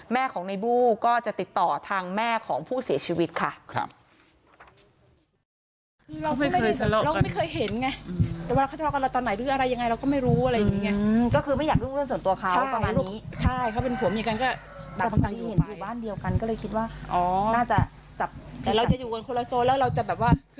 แม่ของในบู้ก็จะติดต่อทางแม่ของผู้เสียชีวิตค่ะ